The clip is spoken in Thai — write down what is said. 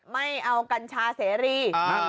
ไม่เอากัญชาเสรี